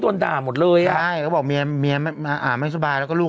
โดนด่าหมดเลยอ่ะใช่เขาบอกเมียเมียอ่าไม่สบายแล้วก็ลูก